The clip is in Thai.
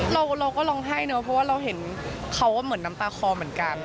เราก็ร้องไห้เนอะเพราะว่าเราเห็นเขาเหมือนน้ำตาคอเหมือนกัน